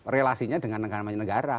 relasinya dengan negara negara